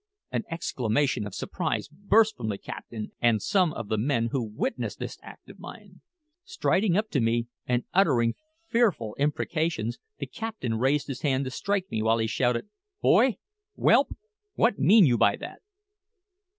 An exclamation of surprise burst from the captain and some of the men who witnessed this act of mine. Striding up to me, and uttering fearful imprecations, the captain raised his hand to strike me, while he shouted, "Boy! whelp! what mean you by that?"